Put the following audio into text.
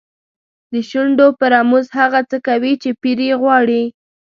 د شونډو په رموز هغه څه کوي چې پیر یې غواړي.